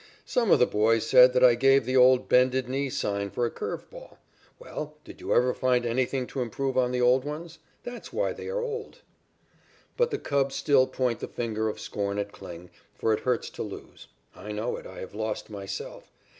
"Some of the boys said that I gave the old bended knee sign for a curve ball. Well, did you ever find anything to improve on the old ones? That's why they are old." But the Cubs still point the finger of scorn at Kling, for it hurts to lose. I know it, I have lost myself.